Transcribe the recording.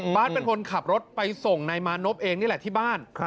เป็นคนขับรถไปส่งนายมานพเองนี่แหละที่บ้าน